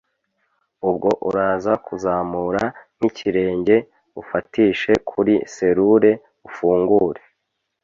ubwo uraza kuzamura nk'ikirenge ufatishe kuri serrure ufungure.